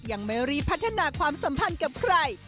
ยังไม่รีบพัฒนาความสัมพันธ์กับใคร